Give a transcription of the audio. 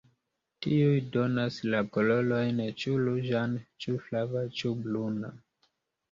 Tiuj donas la kolorojn ĉu ruĝan ĉu flava ĉu bruna.